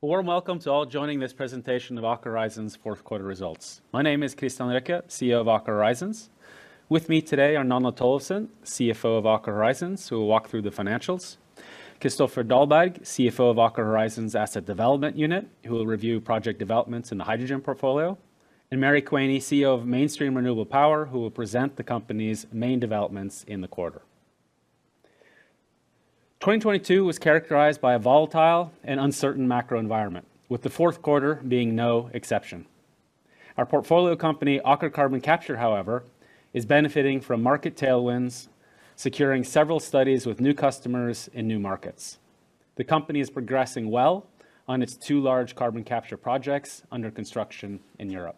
A warm welcome to all joining this presentation of Aker Horizons fourth quarter results. My name is Kristian Røkke, CEO of Aker Horizons. With me today are Nanna Tollefsen, CFO of Aker Horizons, who will walk through the financials. Kristoffer Dahlberg, CFO of Aker Horizons Asset Development unit, who will review project developments in the hydrogen portfolio. Mary Quaney, CEO of Mainstream Renewable Power, who will present the company's main developments in the quarter. 2022 was characterized by a volatile and uncertain macro environment, with the fourth quarter being no exception. Our portfolio company, Aker Carbon Capture, however, is benefiting from market tailwinds, securing several studies with new customers in new markets. The company is progressing well on its 2 large carbon capture projects under construction in Europe.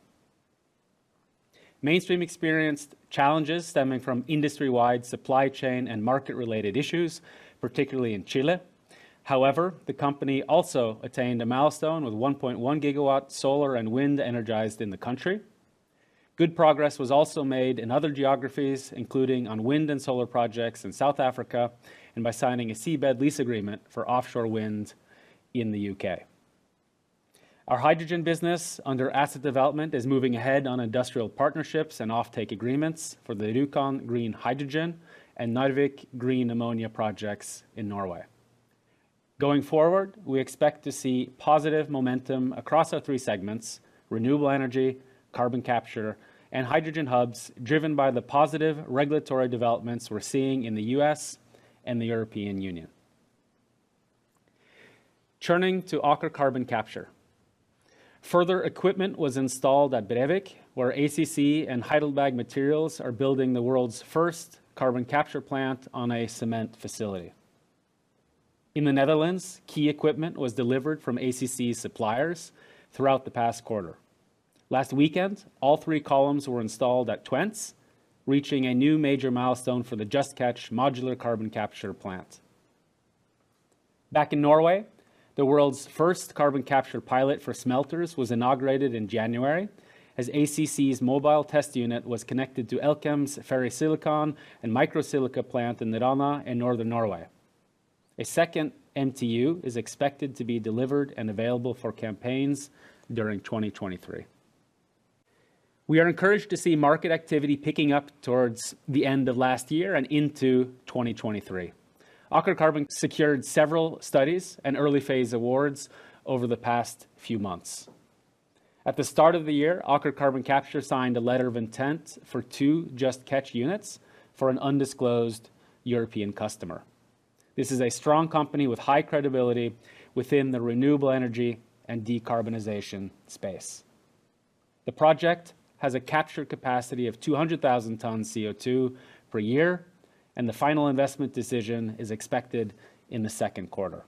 Mainstream experienced challenges stemming from industry-wide supply chain and market-related issues, particularly in Chile. The company also attained a milestone with 1.1 GW solar and wind energized in the country. Good progress was also made in other geographies, including on wind and solar projects in South Africa and by signing a seabed lease agreement for offshore wind in the U.K. Our hydrogen business under Asset Development is moving ahead on industrial partnerships and offtake agreements for the Rjukan green hydrogen and Narvik green ammonia projects in Norway. Going forward, we expect to see positive momentum across our three segments: renewable energy, carbon capture, and hydrogen hubs, driven by the positive regulatory developments we're seeing in the U.S. and the European Union. Turning to Aker Carbon Capture. Further equipment was installed at Brevik, where ACC and Heidelberg Materials are building the world's first carbon capture plant on a cement facility. In the Netherlands, key equipment was delivered from ACC suppliers throughout the past quarter. Last weekend, all three columns were installed at Twence, reaching a new major milestone for the Just Catch modular carbon capture plant. Back in Norway, the world's first carbon capture pilot for smelters was inaugurated in January as ACC's mobile test unit was connected to Elkem's ferrosilicon and microsilica plant in Rana in northern Norway. A second MTU is expected to be delivered and available for campaigns during 2023. We are encouraged to see market activity picking up towards the end of last year and into 2023. Aker Carbon secured several studies and early-phase awards over the past few months. At the start of the year, Aker Carbon Capture signed a letter of intent for two Just Catch units for an undisclosed European customer. This is a strong company with high credibility within the renewable energy and decarbonization space. The project has a capture capacity of 200,000 t CO2 per year, and the final investment decision is expected in the second quarter.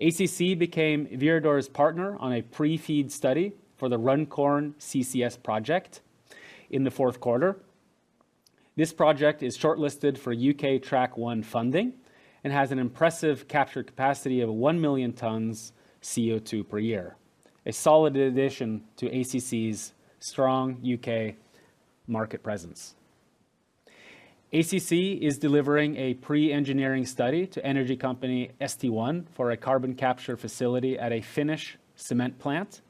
ACC became Viridor's partner on a pre-FEED study for the Runcorn CCS project in the fourth quarter. This project is shortlisted for UK Track-1 funding and has an impressive capture capacity of 1 million t CO2 per year, a solid addition to ACC's strong UK market presence. ACC is delivering a pre-engineering study to energy company St1 for a carbon capture facility at a Finnish cement plant.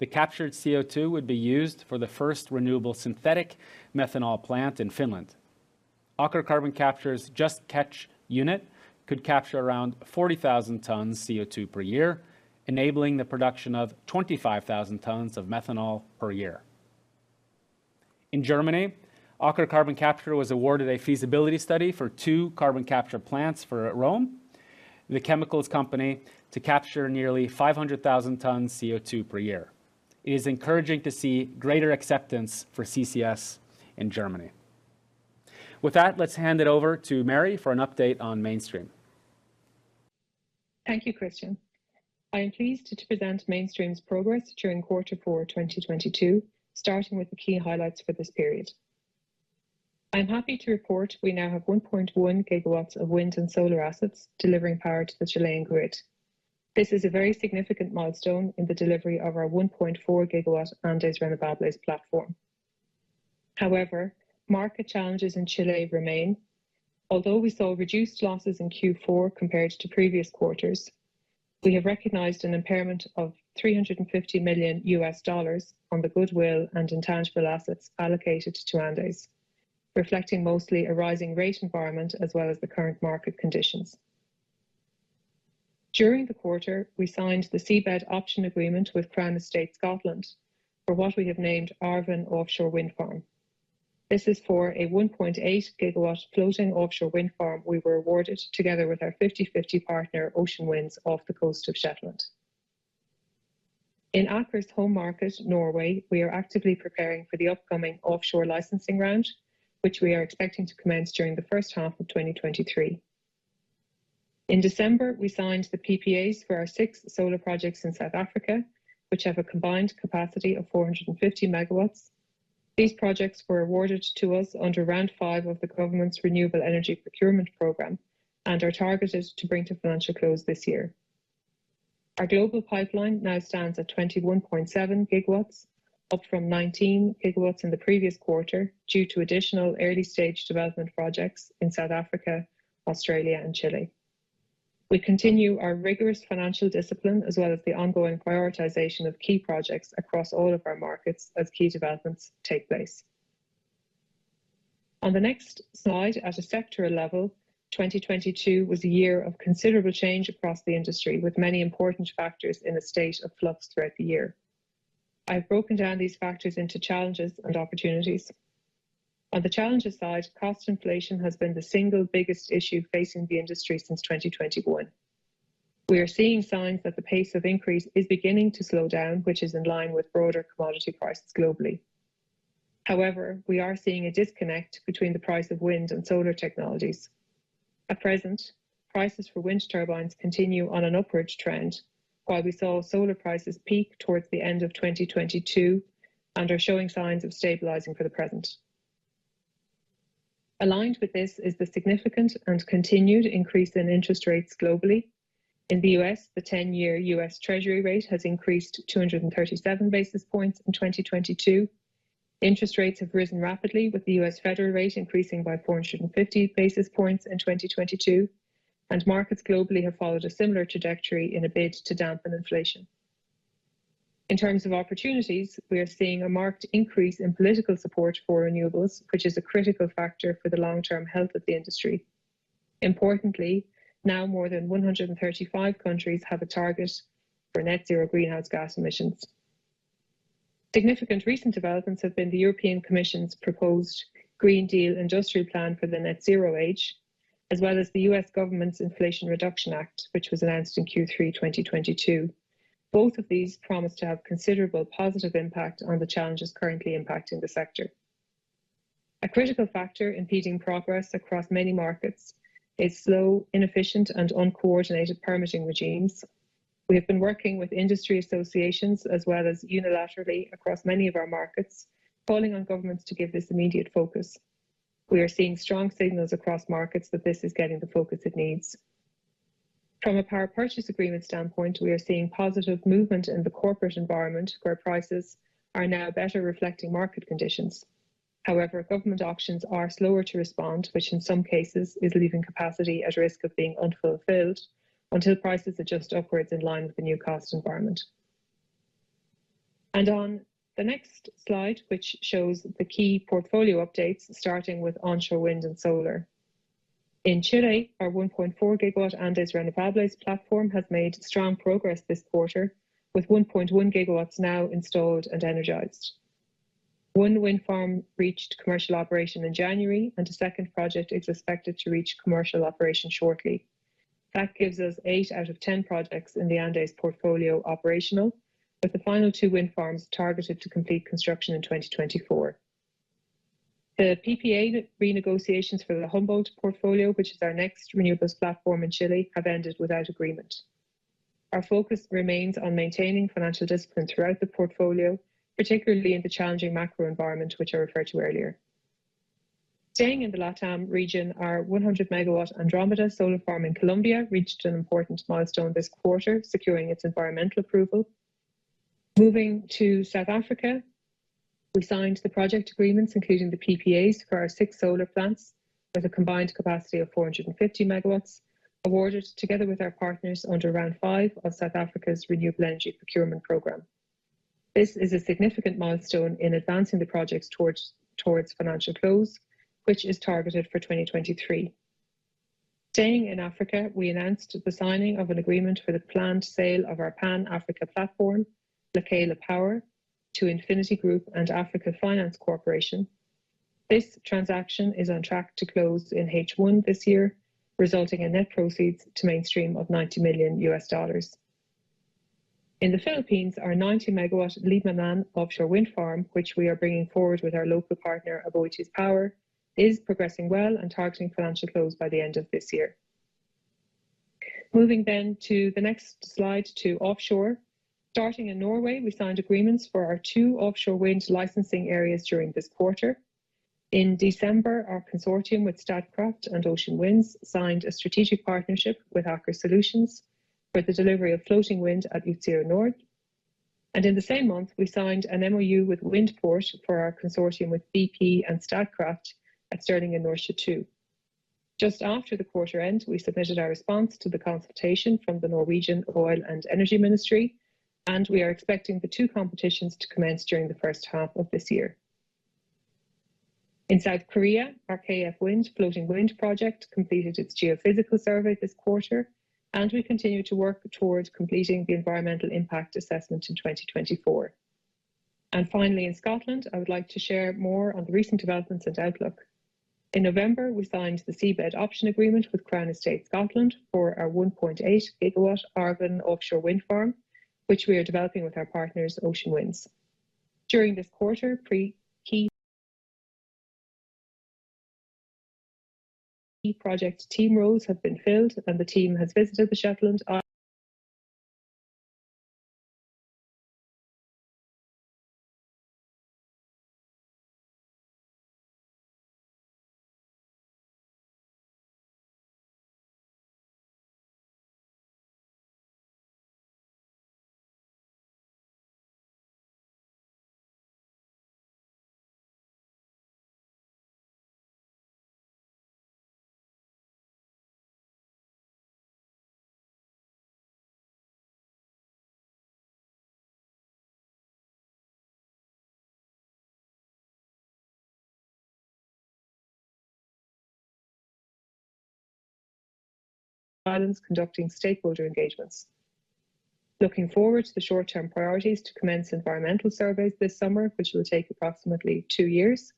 The captured CO2 would be used for the first renewable synthetic methanol plant in Finland. Aker Carbon Capture's Just Catch unit could capture around 40,000 tons CO2 per year, enabling the production of 25,000 t of methanol per year. In Germany, Aker Carbon Capture was awarded a feasibility study for two carbon capture plants for Röhm, the chemicals company, to capture nearly 500,000 tons CO2 per year. It is encouraging to see greater acceptance for CCS in Germany. With that, let's hand it over to Mary for an update on Mainstream. Thank you, Kristian. I am pleased to present Mainstream's progress during Q4 2022, starting with the key highlights for this period. I'm happy to report we now have 1.1 GW of wind and solar assets delivering power to the Chilean grid. This is a very significant milestone in the delivery of our 1.4 GW Andes Renovables platform. However, market challenges in Chile remain. Although we saw reduced losses in Q4 compared to previous quarters, we have recognized an impairment of $350 million from the goodwill and intangible assets allocated to Andes, reflecting mostly a rising rate environment as well as the current market conditions. During the quarter, we signed the Seabed Option Agreement with Crown Estate Scotland for what we have named Arven Offshore Wind Farm. This is for a 1.8 GW floating offshore wind farm we were awarded together with our 50/50 partner, Ocean Winds, off the coast of Shetland. In Aker's home market, Norway, we are actively preparing for the upcoming offshore licensing round, which we are expecting to commence during the first half of 2023. In December, we signed the PPAs for our six solar projects in South Africa, which have a combined capacity of 450 MW. These projects were awarded to us under Round five of the government's renewable energy procurement program and are targeted to bring to financial close this year. Our global pipeline now stands at 21.7 GW, up from 19 GW in the previous quarter, due to additional early-stage development projects in South Africa, Australia and Chile. We continue our rigorous financial discipline as well as the ongoing prioritization of key projects across all of our markets as key developments take place. On the next slide, at a sector level, 2022 was a year of considerable change across the industry, with many important factors in a state of flux throughout the year. I've broken down these factors into challenges and opportunities. On the challenges side, cost inflation has been the single biggest issue facing the industry since 2021. We are seeing signs that the pace of increase is beginning to slow down, which is in line with broader commodity prices globally. However, we are seeing a disconnect between the price of wind and solar technologies. At present, prices for wind turbines continue on an upward trend, while we saw solar prices peak towards the end of 2022 and are showing signs of stabilizing for the present. Aligned with this is the significant and continued increase in interest rates globally. In the U.S., the 10-year U.S. Treasury rate has increased 237 basis points in 2022. Interest rates have risen rapidly, with the U.S. federal rate increasing by 450 basis points in 2022. Markets globally have followed a similar trajectory in a bid to dampen inflation. In terms of opportunities, we are seeing a marked increase in political support for renewables, which is a critical factor for the long-term health of the industry. Importantly, now more than 135 countries have a target for net zero greenhouse gas emissions. Significant recent developments have been the European Commission's proposed Green Deal Industrial Plan for the Net-Zero Age, as well as the U.S. government's Inflation Reduction Act, which was announced in Q3 2022. Both of these promise to have considerable positive impact on the challenges currently impacting the sector. A critical factor impeding progress across many markets is slow, inefficient and uncoordinated permitting regimes. We have been working with industry associations as well as unilaterally across many of our markets, calling on governments to give this immediate focus. We are seeing strong signals across markets that this is getting the focus it needs. From a power purchase agreement standpoint, we are seeing positive movement in the corporate environment, where prices are now better reflecting market conditions. However, government auctions are slower to respond, which in some cases is leaving capacity at risk of being unfulfilled until prices adjust upwards in line with the new cost environment. On the next slide, which shows the key portfolio updates, starting with onshore wind and solar. In Chile, our 1.4 GW Andes Renovables platform has made strong progress this quarter, with 1.1 GW now installed and energized. One wind farm reached commercial operation in January, and a second project is expected to reach commercial operation shortly. That gives us eight out of 10 projects in the Andes portfolio operational, with the final two wind farms targeted to complete construction in 2024. The PPA renegotiations for the Humboldt portfolio, which is our next renewables platform in Chile, have ended without agreement. Our focus remains on maintaining financial discipline throughout the portfolio, particularly in the challenging macro environment, which I referred to earlier. Staying in the LatAm region, our 100 MW Andromeda solar farm in Colombia reached an important milestone this quarter, securing its environmental approval. Moving to South Africa, we signed the project agreements, including the PPAs for our six solar plants with a combined capacity of 450 MW, awarded together with our partners under Round 5 of South Africa's Renewable Energy Procurement Program. This is a significant milestone in advancing the projects towards financial close, which is targeted for 2023. Staying in Africa, we announced the signing of an agreement for the planned sale of our Pan-Africa platform, Lekela Power, to Infinity Group and Africa Finance Corporation. This transaction is on track to close in H1 this year, resulting in net proceeds to Mainstream of $90 million. In the Philippines, our 90-MW Libmanan offshore wind farm, which we are bringing forward with our local partner AboitizPower, is progressing well and targeting financial close by the end of this year. Moving to the next slide to offshore. Starting in Norway, we signed agreements for our two offshore wind licensing areas during this quarter. In December, our consortium with Statkraft and Ocean Winds signed a strategic partnership with Aker Solutions for the delivery of floating wind at Utsira North. In the same month, we signed an MoU with Windport for our consortium with BP and Statkraft at Sørlige Nordsjø II. Just after the quarter end, we submitted our response to the consultation from the Norwegian Ministry of Petroleum and Energy. We are expecting the two competitions to commence during the first half of this year. In South Korea, our KF Wind floating wind project completed its geophysical survey this quarter. We continue to work towards completing the environmental impact assessment in 2024. Finally, in Scotland, I would like to share more on the recent developments and outlook. In November, we signed the seabed option agreement with Crown Estate Scotland for our 1.8 GW Arven Offshore Wind Farm, which we are developing with our partners, Ocean Winds. During this quarter, pre-key project team roles have been filled and the team has visited the Shetland Islands conducting stakeholder engagements. Looking forward to the short-term priorities to commence environmental surveys this summer, which will take approximately two years.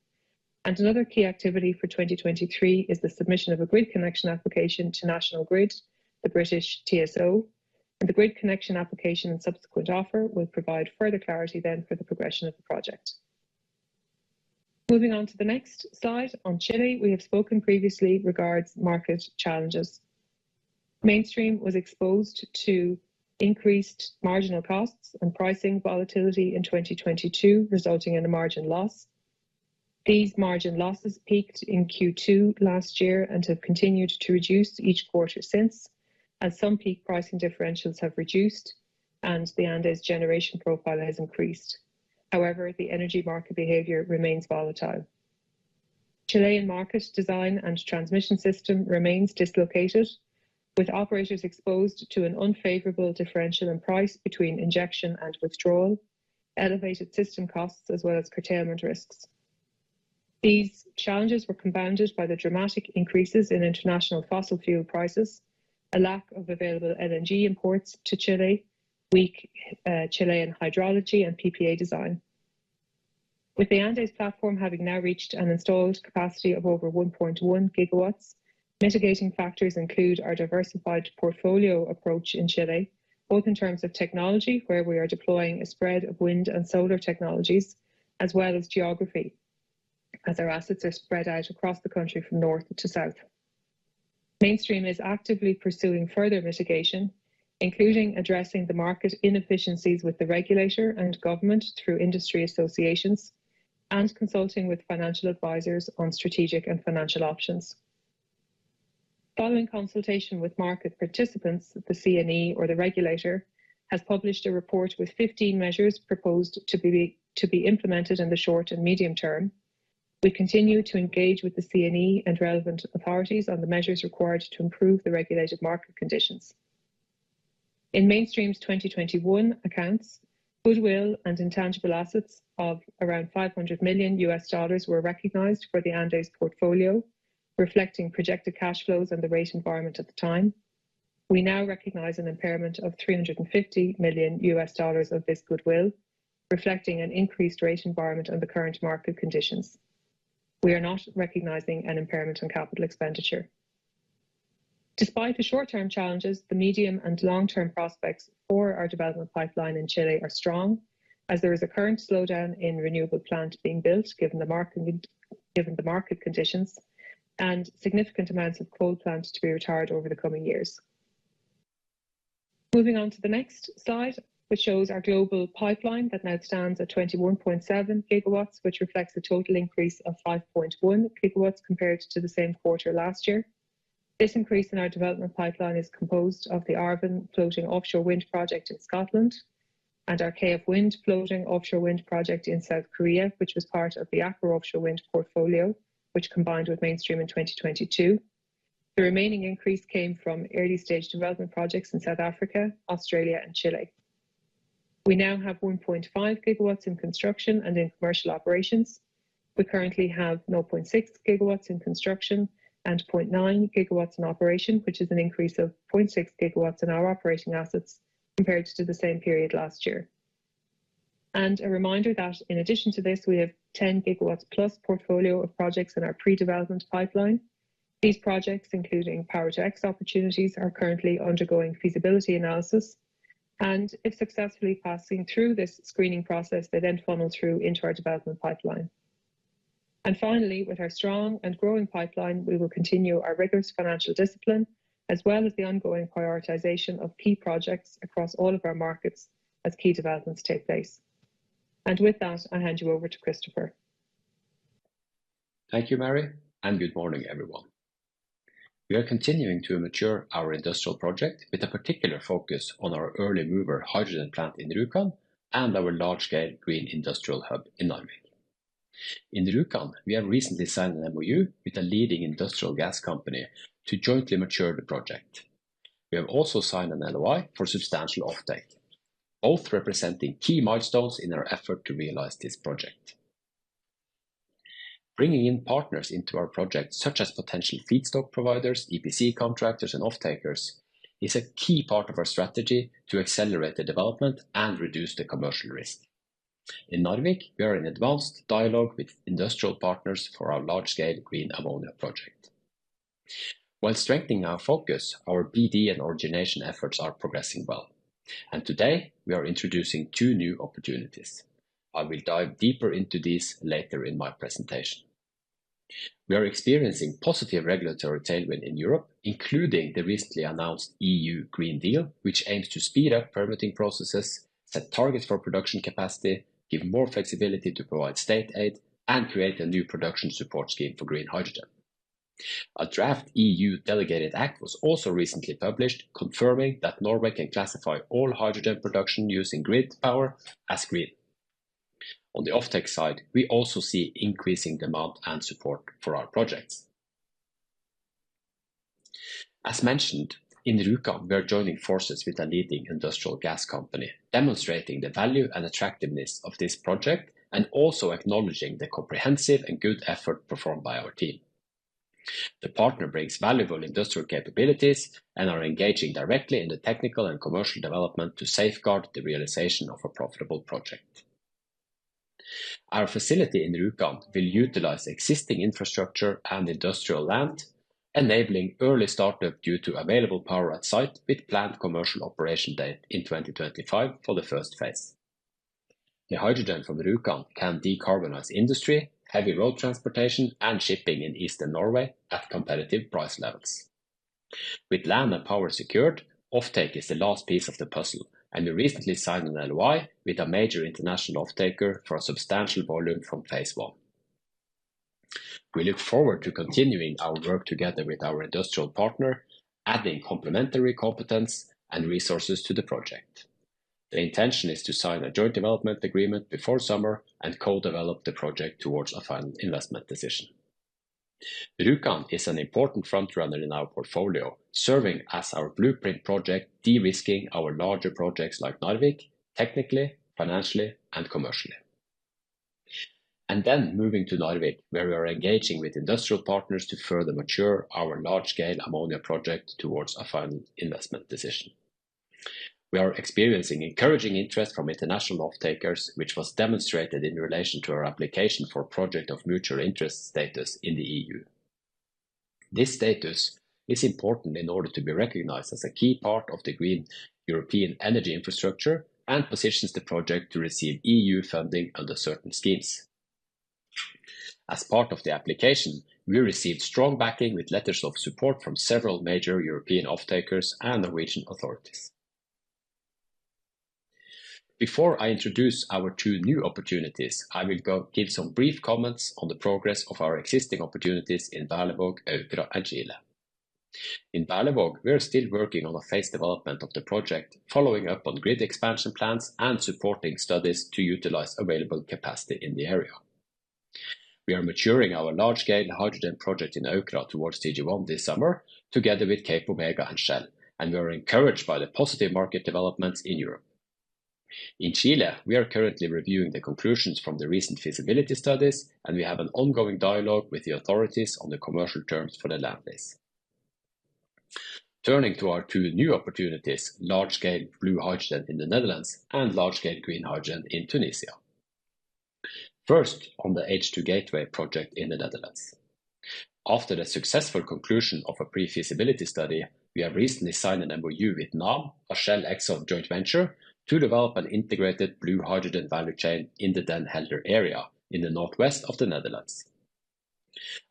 Another key activity for 2023 is the submission of a grid connection application to National Grid, the British TSO. The grid connection application and subsequent offer will provide further clarity then for the progression of the project. Moving on to the next slide. On Chile, we have spoken previously regards market challenges. Mainstream was exposed to increased marginal costs and pricing volatility in 2022, resulting in a margin loss. These margin losses peaked in Q2 last year and have continued to reduce each quarter since, as some peak pricing differentials have reduced and the Andes generation profile has increased. However, the energy market behavior remains volatile. Chilean market design and transmission system remains dislocated, with operators exposed to an unfavorable differential in price between injection and withdrawal, elevated system costs, as well as curtailment risks. These challenges were compounded by the dramatic increases in international fossil fuel prices, a lack of available LNG imports to Chile, weak Chilean hydrology and PPA design. With the Andes platform having now reached an installed capacity of over 1.1 GW, mitigating factors include our diversified portfolio approach in Chile, both in terms of technology, where we are deploying a spread of wind and solar technologies, as well as geography, as our assets are spread out across the country from north to south. Mainstream is actively pursuing further mitigation, including addressing the market inefficiencies with the regulator and government through industry associations and consulting with financial advisors on strategic and financial options. Following consultation with market participants, the CNE or the regulator, has published a report with 15 measures proposed to be implemented in the short and medium term. We continue to engage with the CNE and relevant authorities on the measures required to improve the regulated market conditions. In Mainstream's 2021 accounts, goodwill and intangible assets of around $500 million were recognized for the Andes portfolio, reflecting projected cash flows and the rate environment at the time. We now recognize an impairment of $350 million of this goodwill, reflecting an increased rate environment and the current market conditions. We are not recognizing an impairment on CapEx. Despite the short-term challenges, the medium and long-term prospects for our development pipeline in Chile are strong as there is a current slowdown in renewable plant being built, given the market conditions, and significant amounts of coal plant to be retired over the coming years. Moving on to the next slide, which shows our global pipeline that now stands at 21.7 GW, which reflects a total increase of 5.1 GW compared to the same quarter last year. This increase in our development pipeline is composed of the Arven floating offshore wind project in Scotland and our KF Wind floating offshore wind project in South Korea, which was part of the Aker Offshore Wind portfolio, which combined with Mainstream in 2022. The remaining increase came from early-stage development projects in South Africa, Australia and Chile. We now have 1.5 GW in construction and in commercial operations. We currently have 0.6 GW in construction and 0.9 GW in operation, which is an increase of 0.6 GW in our operating assets compared to the same period last year. A reminder that in addition to this, we have 10 gigawatts-plus portfolio of projects in our pre-development pipeline. These projects, including Power-to-X opportunities, are currently undergoing feasibility analysis, and if successfully passing through this screening process, they then funnel through into our development pipeline. Finally, with our strong and growing pipeline, we will continue our rigorous financial discipline as well as the ongoing prioritization of key projects across all of our markets as key developments take place. With that, I'll hand you over to Kristoffer. Thank you, Mary, and good morning, everyone. We are continuing to mature our industrial project with a particular focus on our early mover hydrogen plant in Rjukan and our large-scale green industrial hub in Narvik. In Rjukan, we have recently signed an MoU with a leading industrial gas company to jointly mature the project. We have also signed an LOI for substantial offtake, both representing key milestones in our effort to realize this project. Bringing in partners into our project, such as potential feedstock providers, EPC contractors, and off-takers, is a key part of our strategy to accelerate the development and reduce the commercial risk. In Narvik, we are in advanced dialogue with industrial partners for our large-scale green ammonia project. While strengthening our focus, our PD and origination efforts are progressing well. Today, we are introducing two new opportunities. I will dive deeper into this later in my presentation. We are experiencing positive regulatory tailwind in Europe, including the recently announced EU Green Deal, which aims to speed up permitting processes, set targets for production capacity, give more flexibility to provide state aid, and create a new production support scheme for green hydrogen. A draft EU Delegated Act was also recently published confirming that Norway can classify all hydrogen production using grid power as green. On the offtake side, we also see increasing demand and support for our projects. As mentioned, in Rjukan we are joining forces with a leading industrial gas company, demonstrating the value and attractiveness of this project, and also acknowledging the comprehensive and good effort performed by our team. The partner brings valuable industrial capabilities and are engaging directly in the technical and commercial development to safeguard the realization of a profitable project. Our facility in Rjukan will utilize existing infrastructure and industrial land, enabling early startup due to available power at site with planned commercial operation date in 2025 for phase 1. The hydrogen from Rjukan can decarbonize industry, heavy road transportation, and shipping in Eastern Norway at competitive price levels. With land and power secured, offtake is the last piece of the puzzle. We recently signed an LOI with a major international offtaker for a substantial volume from phase 1. We look forward to continuing our work together with our industrial partner, adding complementary competence and resources to the project. The intention is to sign a joint development agreement before summer and co-develop the project towards a final investment decision. Rjukan is an important front-runner in our portfolio, serving as our blueprint project de-risking our larger projects like Narvik technically, financially, and commercially. Moving to Narvik, where we are engaging with industrial partners to further mature our large scale ammonia project towards a final investment decision. We are experiencing encouraging interest from international offtakers, which was demonstrated in relation to our application for Project of Mutual Interest status in the EU. This status is important in order to be recognized as a key part of the green European energy infrastructure and positions the project to receive EU funding under certain schemes. As part of the application, we received strong backing with letters of support from several major European offtakers and the region authorities. Before I introduce our two new opportunities, I will go give some brief comments on the progress of our existing opportunities in Berlevåg, Aukra, and Chile. In Berlevåg, we are still working on a phase development of the project, following up on grid expansion plans and supporting studies to utilize available capacity in the area. We are maturing our large scale hydrogen project in Aukra towards DG1 this summer together with CapeOmega and Shell, and we are encouraged by the positive market developments in Europe. In Chile, we are currently reviewing the conclusions from the recent feasibility studies, and we have an ongoing dialogue with the authorities on the commercial terms for the land lease. Turning to our two new opportunities, large scale blue hydrogen in the Netherlands and large scale green hydrogen in Tunisia. First, on the H2 Gateway project in the Netherlands. After the successful conclusion of a pre-feasibility study, we have recently signed an MOU with NAM, a Shell Exxon joint venture, to develop an integrated blue hydrogen value chain in the Den Helder area in the northwest of the Netherlands.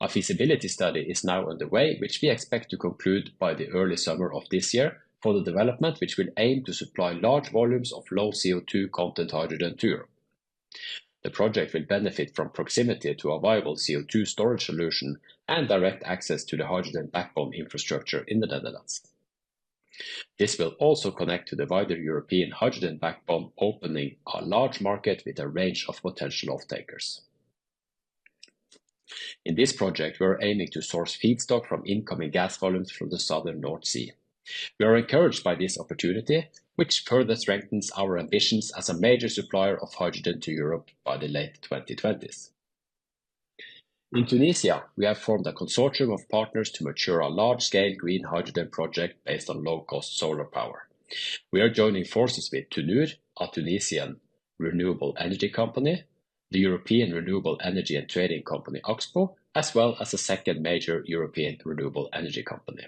A feasibility study is now underway, which we expect to conclude by the early summer of this year for the development, which will aim to supply large volumes of low CO2 content hydrogen to Europe. The project will benefit from proximity to a viable CO2 storage solution and direct access to the hydrogen backbone infrastructure in the Netherlands. This will also connect to the wider European hydrogen backbone, opening a large market with a range of potential offtakers. In this project, we are aiming to source feedstock from incoming gas volumes from the southern North Sea. We are encouraged by this opportunity, which further strengthens our ambitions as a major supplier of hydrogen to Europe by the late 2020s. In Tunisia, we have formed a consortium of partners to mature a large-scale green hydrogen project based on low-cost solar power. We are joining forces with TuNur, a Tunisian renewable energy company, the European renewable energy and trading company, Oxbow, as well as a second major European renewable energy company.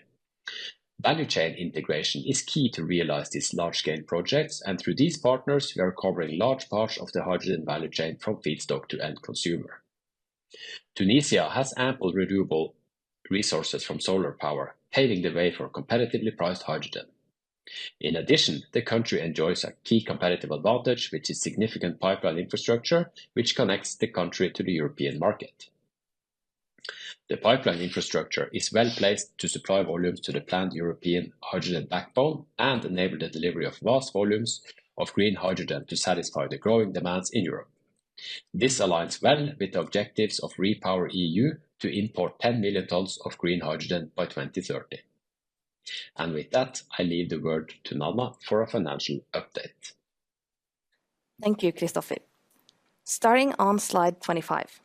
Value chain integration is key to realize these large-scale projects, and through these partners we are covering large parts of the hydrogen value chain from feedstock to end consumer. Tunisia has ample renewable resources from solar power, paving the way for competitively priced hydrogen. In addition, the country enjoys a key competitive advantage, which is significant pipeline infrastructure, which connects the country to the European market. The pipeline infrastructure is well-placed to supply volumes to the planned European hydrogen backbone and enable the delivery of vast volumes of green hydrogen to satisfy the growing demands in Europe. This aligns well with the objectives of REPowerEU to import 10 million tons of green hydrogen by 2030. With that, I leave the word to Nanna for a financial update. Thank you, Kristoffer. Starting on slide 25.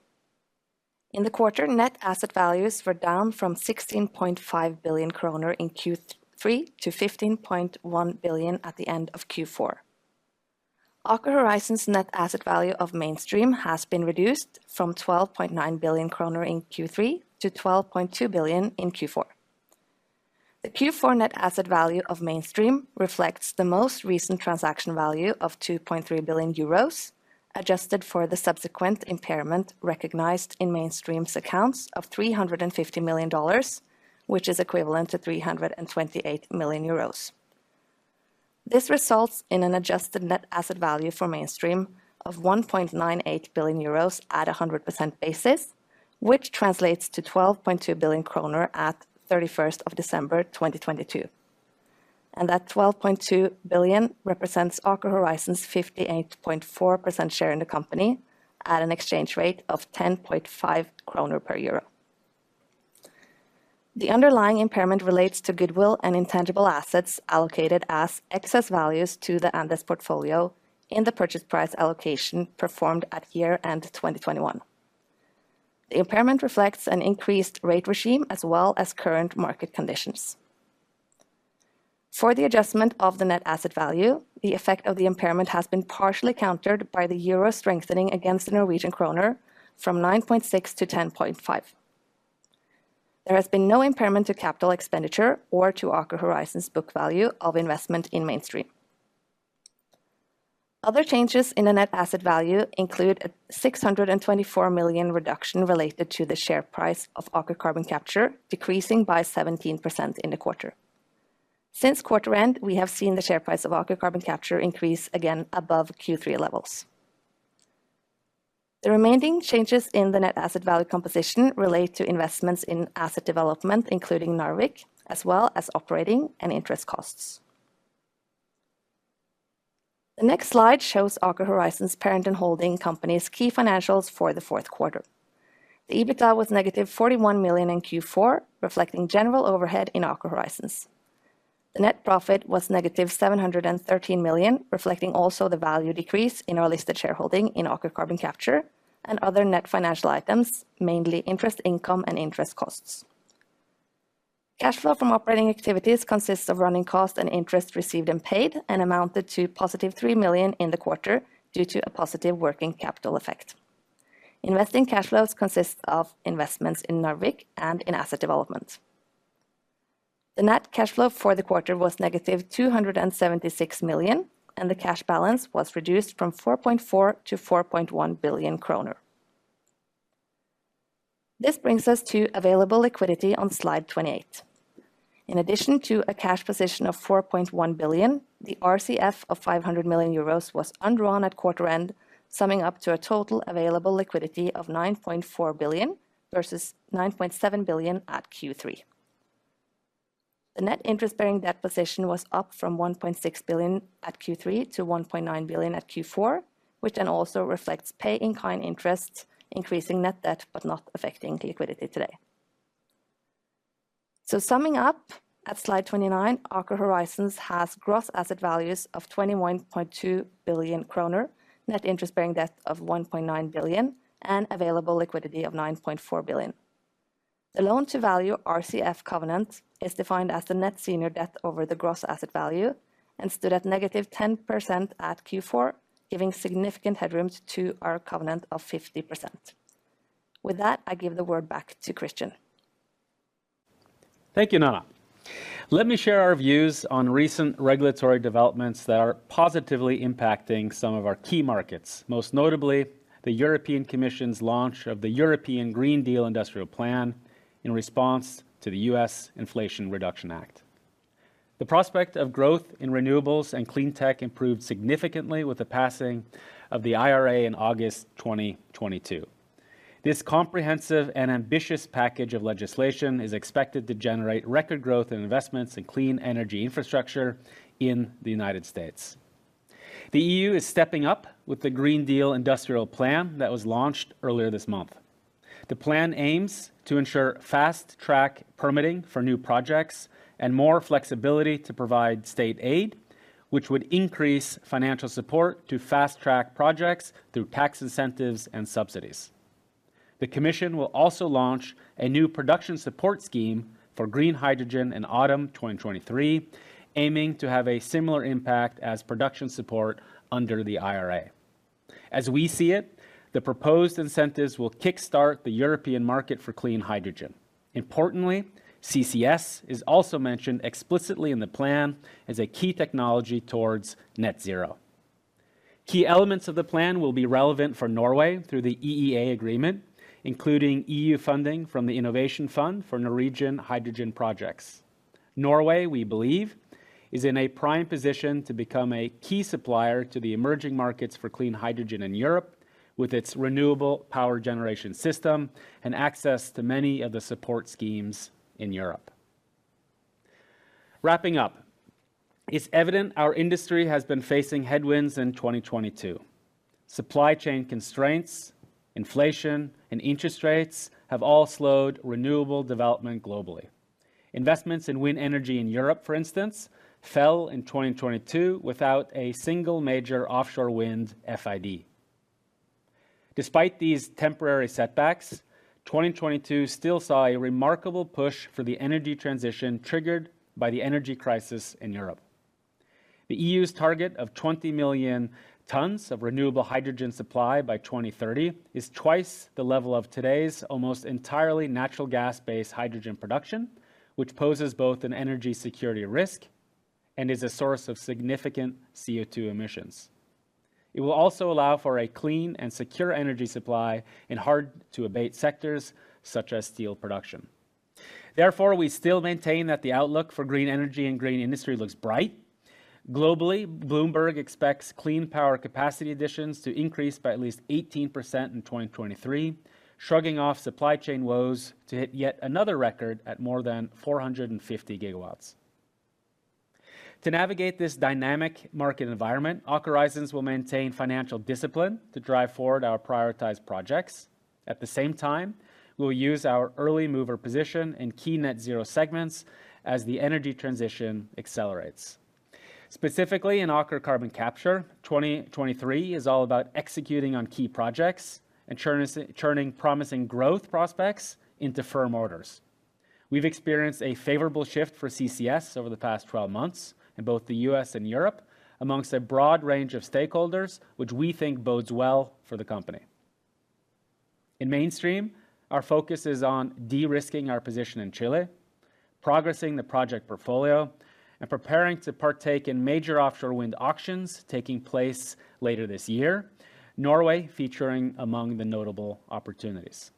In the quarter, net asset values were down from 16.5 billion kroner in Q3 to 15.1 billion at the end of Q4. Aker Horizons' net asset value of Mainstream has been reduced from 12.9 billion kroner in Q3 to 12.2 billion in Q4. The Q4 net asset value of Mainstream reflects the most recent transaction value of 2.3 billion euros, adjusted for the subsequent impairment recognized in Mainstream's accounts of $350 million, which is equivalent to 328 million euros. This results in an adjusted net asset value for Mainstream of 1.98 billion euros at a 100% basis, which translates to 12.2 billion kroner at December 31st, 2022. That 12.2 billion represents Aker Horizons 58.4% share in the company at an exchange rate of 10.5 kroner per EUR. The underlying impairment relates to goodwill and intangible assets allocated as excess values to the Andes portfolio in the purchase price allocation performed at year-end 2021. The impairment reflects an increased rate regime as well as current market conditions. For the adjustment of the net asset value, the effect of the impairment has been partially countered by the euro strengthening against the Norwegian kroner from 9.6 to 10.5. There has been no impairment to capital expenditure or to Aker Horizons book value of investment in Mainstream. Other changes in the net asset value include a 624 million reduction related to the share price of Aker Carbon Capture, decreasing by 17% in the quarter. Since quarter-end, we have seen the share price of Aker Carbon Capture increase again above Q3 levels. The remaining changes in the net asset value composition relate to investments in asset development, including Narvik, as well as operating and interest costs. The next slide shows Aker Horizons parent and holding company's key financials for the fourth quarter. The EBITDA was -41 million in Q4, reflecting general overhead in Aker Horizons. The net profit was -713 million, reflecting also the value decrease in our listed shareholding in Aker Carbon Capture and other net financial items, mainly interest income and interest costs. Cash flow from operating activities consists of running costs and interest received and paid, and amounted to +3 million in the quarter due to a positive working capital effect. Investing cash flows consists of investments in Narvik and in asset development. The net cash flow for the quarter was -276 million, and the cash balance was reduced from 4.4 billion to 4.1 billion kroner. This brings us to available liquidity on slide 28. In addition to a cash position of 4.1 billion, the RCF of 500 million euros was undrawn at quarter end, summing up to a total available liquidity of 9.4 billion versus 9.7 billion at Q3. The net interest-bearing debt position was up from 1.6 billion at Q3 to 1.9 billion at Q4, which then also reflects pay-in-kind interest, increasing net debt but not affecting the liquidity today. Summing up at slide 29, Aker Horizons has gross asset values of 21.2 billion kroner, net interest-bearing debt of 1.9 billion, and available liquidity of 9.4 billion. The loan to value RCF covenant is defined as the net senior debt over the gross asset value and stood at -10% at Q4, giving significant headroom to our covenant of 50%. With that, I give the word back to Kristian. Thank you, Nanna. Let me share our views on recent regulatory developments that are positively impacting some of our key markets, most notably the European Commission's launch of the European Green Deal Industrial Plan in response to the U.S. Inflation Reduction Act. The prospect of growth in renewables and clean tech improved significantly with the passing of the IRA in August 2022. This comprehensive and ambitious package of legislation is expected to generate record growth in investments in clean energy infrastructure in the U.S. The EU is stepping up with the Green Deal Industrial Plan that was launched earlier this month. The plan aims to ensure fast-track permitting for new projects and more flexibility to provide state aid, which would increase financial support to fast-track projects through tax incentives and subsidies. The Commission will also launch a new production support scheme for green hydrogen in autumn 2023, aiming to have a similar impact as production support under the IRA. As we see it, the proposed incentives will kickstart the European market for clean hydrogen. Importantly, CCS is also mentioned explicitly in the plan as a key technology towards net zero. Key elements of the plan will be relevant for Norway through the EEA Agreement, including EU funding from the Innovation Fund for Norwegian hydrogen projects. Norway, we believe, is in a prime position to become a key supplier to the emerging markets for clean hydrogen in Europe with its renewable power generation system and access to many of the support schemes in Europe. Wrapping up, it's evident our industry has been facing headwinds in 2022. Supply chain constraints, inflation, and interest rates have all slowed renewable development globally. Investments in wind energy in Europe, for instance, fell in 2022 without a single major offshore wind FID. Despite these temporary setbacks, 2022 still saw a remarkable push for the energy transition triggered by the energy crisis in Europe. The EU's target of 20 million tons of renewable hydrogen supply by 2030 is twice the level of today's almost entirely natural gas-based hydrogen production, which poses both an energy security risk and is a source of significant CO2 emissions. It will also allow for a clean and secure energy supply in hard-to-abate sectors, such as steel production. We still maintain that the outlook for green energy and green industry looks bright. Globally, Bloomberg expects clean power capacity additions to increase by at least 18% in 2023, shrugging off supply chain woes to hit yet another record at more than 450 GW. To navigate this dynamic market environment, Aker Horizons will maintain financial discipline to drive forward our prioritized projects. At the same time, we'll use our early mover position in key net zero segments as the energy transition accelerates. Specifically in Aker Carbon Capture, 2023 is all about executing on key projects and churning promising growth prospects into firm orders. We've experienced a favorable shift for CCS over the past 12 months in both the U.S. and Europe amongst a broad range of stakeholders, which we think bodes well for the company. In Mainstream, our focus is on de-risking our position in Chile, progressing the project portfolio, and preparing to partake in major offshore wind auctions taking place later this year, Norway featuring among the notable opportunities.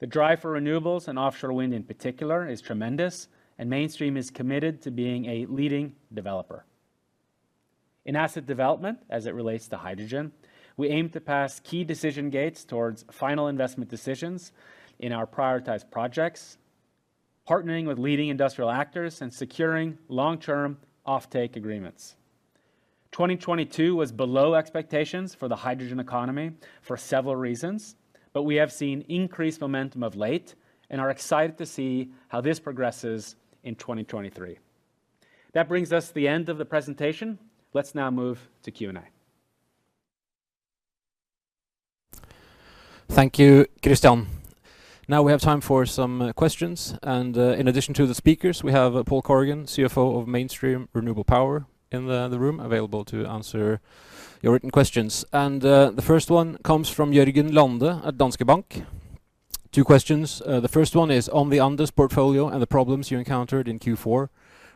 The drive for renewables and offshore wind in particular is tremendous. Mainstream is committed to being a leading developer. In asset development, as it relates to hydrogen, we aim to pass key decision gates towards final investment decisions in our prioritized projects, partnering with leading industrial actors and securing long-term offtake agreements. 2022 was below expectations for the hydrogen economy for several reasons, but we have seen increased momentum of late and are excited to see how this progresses in 2023. That brings us to the end of the presentation. Let's now move to Q&A. Thank you, Kristian. Now we have time for some questions. In addition to the speakers, we have Paul Corrigan, CFO of Mainstream Renewable Power in the room available to answer your written questions. The first one comes from Jørgen Lande at Danske Bank. Two questions. The first one is on the Andes portfolio and the problems you encountered in Q4.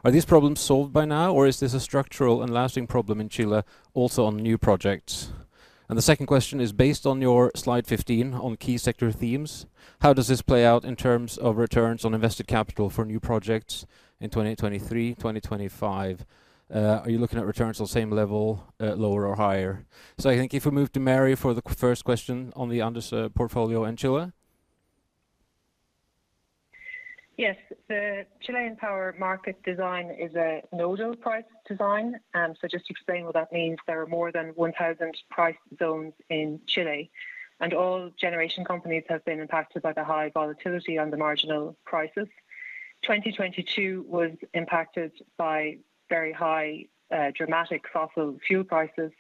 Are these problems solved by now, or is this a structural and lasting problem in Chile also on new projects? The second question is, based on your slide 15 on key sector themes, how does this play out in terms of returns on invested capital for new projects in 2023, 2025? Are you looking at returns on same level, lower or higher? I think if we move to Mary for the first question on the Andes portfolio in Chile. Yes. The Chilean power market design is a nodal price design. Just to explain what that means, there are more than 1,000 price zones in Chile, and all generation companies have been impacted by the high volatility on the marginal prices. 2022 was impacted by very high, dramatic fossil fuel prices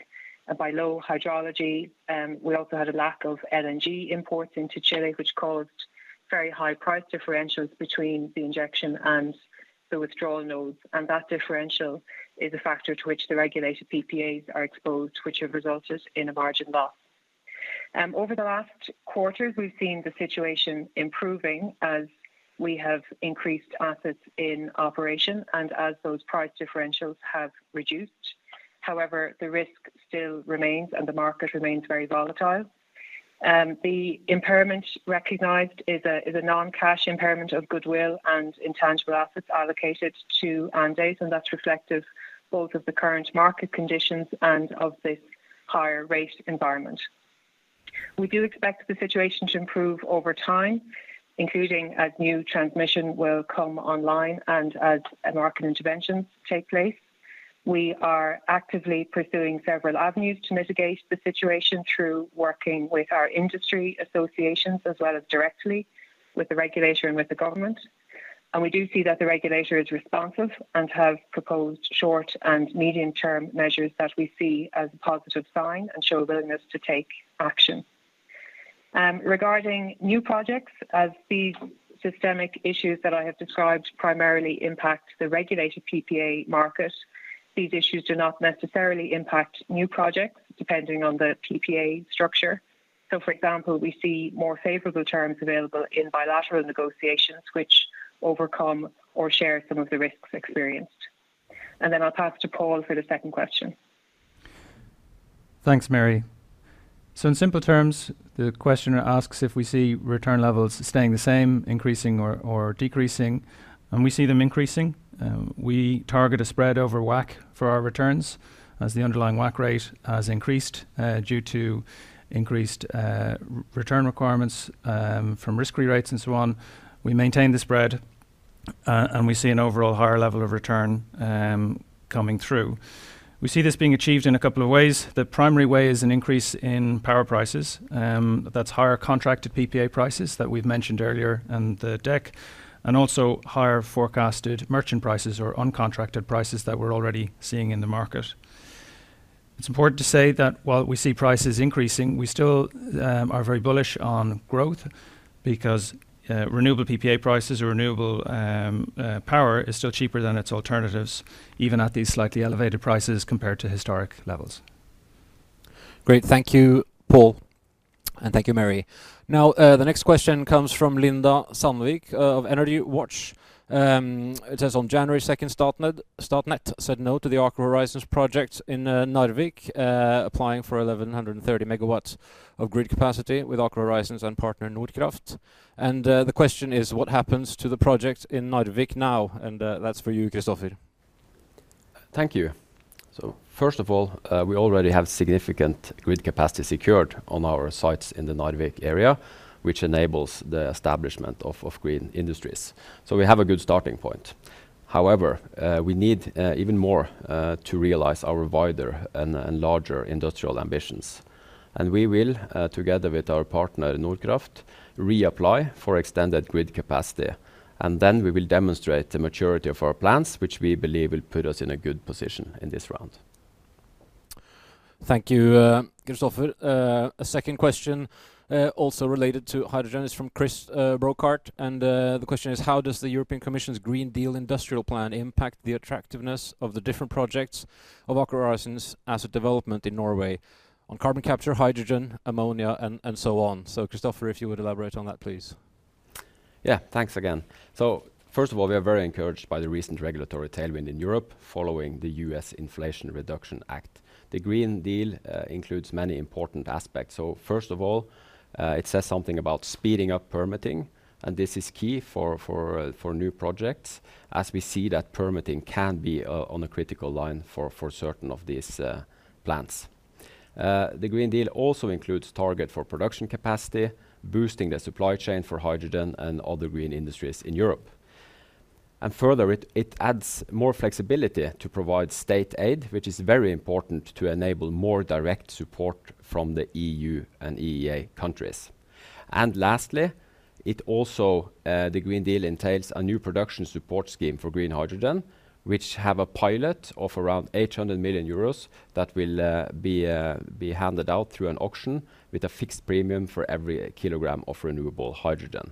and by low hydrology. We also had a lack of LNG imports into Chile, which caused very high price differentials between the injection and the withdrawal nodes. That differential is a factor to which the regulated PPAs are exposed, which have resulted in a margin loss. Over the last quarters, we've seen the situation improving as we have increased assets in operation and as those price differentials have reduced. However, the risk still remains and the market remains very volatile. The impairment recognized is a non-cash impairment of goodwill and intangible assets allocated to Andez, and that's reflective both of the current market conditions and of this higher rate environment. We do expect the situation to improve over time, including as new transmission will come online and as market interventions take place. We are actively pursuing several avenues to mitigate the situation through working with our industry associations as well as directly with the regulator and with the government. We do see that the regulator is responsive and have proposed short and medium-term measures that we see as a positive sign and show a willingness to take action. Regarding new projects, as these systemic issues that I have described primarily impact the regulated PPA market, these issues do not necessarily impact new projects depending on the PPA structure. For example, we see more favorable terms available in bilateral negotiations which overcome or share some of the risks experienced. Then I'll pass to Paul for the second question. Thanks, Mary. In simple terms, the questioner asks if we see return levels staying the same, increasing or decreasing. We see them increasing. We target a spread over WACC for our returns. As the underlying WACC rate has increased, due to increased return requirements, from risk-free rates and so on, we maintain the spread, and we see an overall higher level of return coming through. We see this being achieved in two ways. The primary way is an increase in power prices. That's higher contracted PPA prices that we've mentioned earlier in the deck, and also higher forecasted merchant prices or uncontracted prices that we're already seeing in the market. It's important to say that while we see prices increasing, we still are very bullish on growth because renewable PPA prices or renewable power is still cheaper than its alternatives, even at these slightly elevated prices compared to historic levels. Great. Thank you, Paul. Thank you, Mary. Now, the next question comes from Linda Sandvik of EnergiWatch. It says on January second, Statnett said no to the Aker Horizons projects in Narvik, applying for 1,130 MW of grid capacity with Aker Horizons and partner Nordkraft. The question is what happens to the projects in Narvik now? That's for you, Kristoffer. Thank you. First of all, we already have significant grid capacity secured on our sites in the Narvik area, which enables the establishment of green industries. We have a good starting point. However, we need even more to realize our wider and larger industrial ambitions. We will together with our partner, Nordkraft, reapply for extended grid capacity. We will demonstrate the maturity of our plans, which we believe will put us in a good position in this round. Thank you, Kristoffer. A second question, also related to hydrogen is from Chris Brokart, and the question is: How does the European Commission's Green Deal Industrial Plan impact the attractiveness of the different projects of Aker Horizons as a development in Norway on carbon capture, hydrogen, ammonia, and so on? Kristoffer, if you would elaborate on that, please. Yeah. Thanks again. First of all, we are very encouraged by the recent regulatory tailwind in Europe following the US Inflation Reduction Act. The Green Deal includes many important aspects. First of all, it says something about speeding up permitting, and this is key for new projects as we see that permitting can be on a critical line for certain of these plants. The Green Deal also includes target for production capacity, boosting the supply chain for hydrogen and other green industries in Europe. Further, it adds more flexibility to provide state aid, which is very important to enable more direct support from the EU and EEA countries. Lastly, it also, the Green Deal entails a new production support scheme for green hydrogen, which have a pilot of around 800 million euros that will be handed out through an auction with a fixed premium for every kilogram of renewable hydrogen.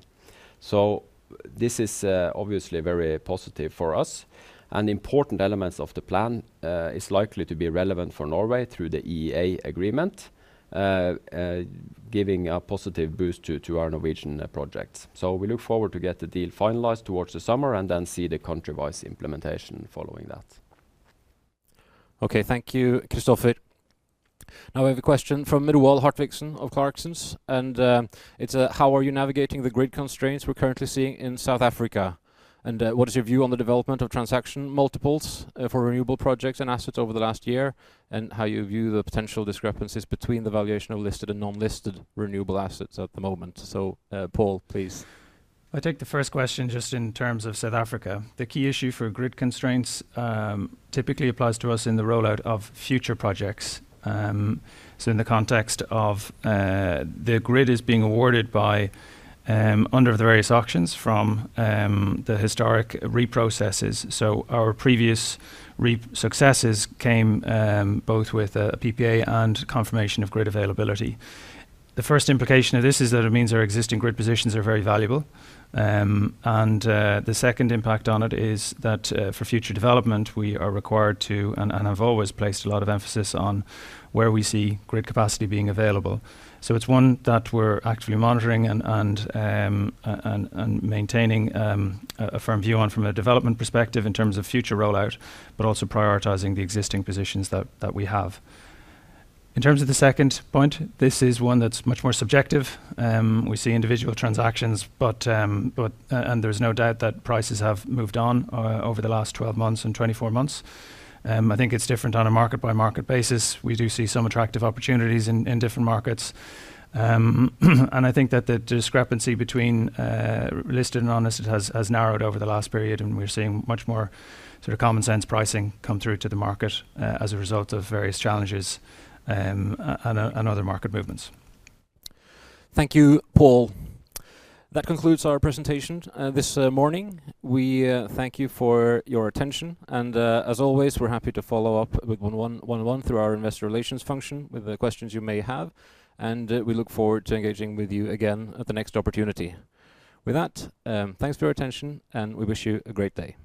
This is obviously very positive for us, and important elements of the plan is likely to be relevant for Norway through the EEA Agreement, giving a positive boost to our Norwegian projects. We look forward to get the deal finalized towards the summer and then see the country-wide implementation following that. Okay. Thank you, Kristoffer. Now we have a question from Roald Hartvigsen of Clarksons, and it's: How are you navigating the grid constraints we're currently seeing in South Africa? What is your view on the development of transaction multiples for renewable projects and assets over the last year, and how you view the potential discrepancies between the valuation of listed and non-listed renewable assets at the moment? Paul, please. I'll take the first question just in terms of South Africa. The key issue for grid constraints typically applies to us in the rollout of future projects. In the context of the grid is being awarded by under the various auctions from the historic RE processes. Our previous RE successes came both with a PPA and confirmation of grid availability. The first implication of this is that it means our existing grid positions are very valuable. And the second impact on it is that for future development, we are required to and have always placed a lot of emphasis on where we see grid capacity being available. It's one that we're actively monitoring and maintaining a firm view on from a development perspective in terms of future rollout, but also prioritizing the existing positions that we have. In terms of the second point, this is one that's much more subjective. We see individual transactions, but there's no doubt that prices have moved on over the last 12 months and 24 months. I think it's different on a market-by-market basis. We do see some attractive opportunities in different markets. I think that the discrepancy between listed and unlisted has narrowed over the last period, and we're seeing much more sort of common sense pricing come through to the market as a result of various challenges and other market movements. Thank you, Paul. That concludes our presentation, this morning. We thank you for your attention, and as always, we're happy to follow up with one one one through our investor relations function with the questions you may have. We look forward to engaging with you again at the next opportunity. With that, thanks for your attention, and we wish you a great day.